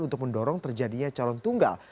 untuk mendorong terjadinya calon tunggal